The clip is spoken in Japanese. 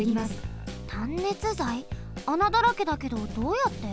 あなだらけだけどどうやって？